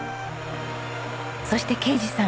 そして啓二さん